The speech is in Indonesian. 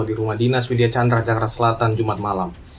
di rumah dinas media chandra jakarta selatan jumat malam